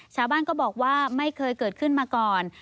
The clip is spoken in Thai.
ชาวบ้านก็บอกว่าไม่เคยเกิดขึ้นมาก่อน